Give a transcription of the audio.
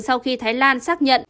sau khi thái lan xác nhận